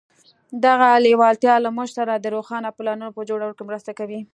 دغه لېوالتیا له موږ سره د روښانه پلانونو په جوړولو کې مرسته کوي.